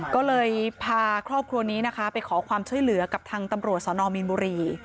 ก็เลยพาครอบครัวนี้นะคะไปขอความช่วยเหลือกับทางตำรวจสนมีนบุรี